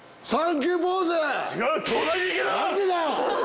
何でだよ